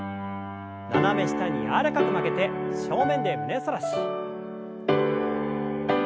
斜め下に柔らかく曲げて正面で胸反らし。